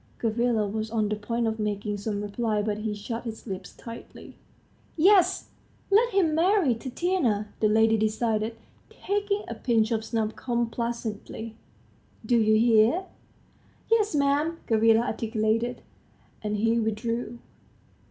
Gavrila was on the point of making some reply, but he shut his lips tightly. "Yes! ... let him marry Tatiana," the lady decided, taking a pinch of snuff complacently, "Do you hear?" "Yes, 'm," Gavrila articulated, and he withdrew.